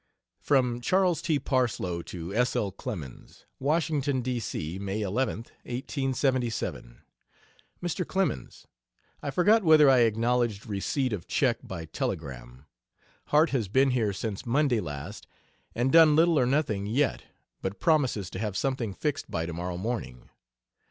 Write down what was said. From Charles T. Parsloe to S. L. Clemens: WASHINGTON, D. C. May 11th, 1877. MR. CLEMENS, I forgot whether I acknowledged receipt of check by telegram. Harte has been here since Monday last and done little or nothing yet, but promises to have something fixed by tomorrow morning.